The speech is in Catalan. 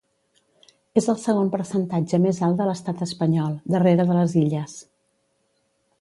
És el segon percentatge més alt de l’estat espanyol, darrere de les Illes.